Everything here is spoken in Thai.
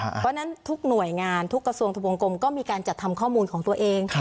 เพราะฉะนั้นทุกหน่วยงานทุกกระทรวงทะวงกลมก็มีการจัดทำข้อมูลของตัวเอง